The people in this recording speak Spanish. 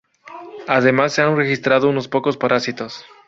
Además se han registrado unos pocos parásitos.